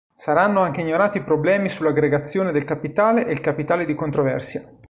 Saranno anche ignorati i problemi sull'aggregazione del capitale e il capitale di controversia.